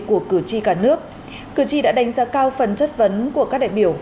của cử tri cả nước cử tri đã đánh giá cao phần chất vấn của các đại biểu